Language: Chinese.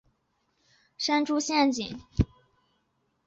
原型可能是一种用竹子制作的山猪陷阱。